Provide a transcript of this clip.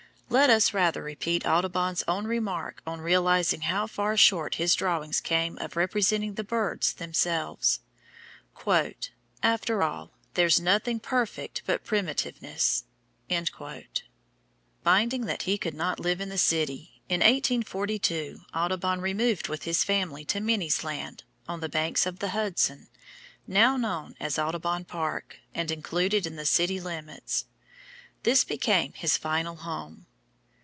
Let us rather repeat Audubon's own remark on realising how far short his drawings came of representing the birds themselves: "After all, there's nothing perfect but primitiveness." Finding that he could not live in the city, in 1842 Audubon removed with his family to "Minnie's Land," on the banks of the Hudson, now known as Audubon Park, and included in the city limits; this became his final home.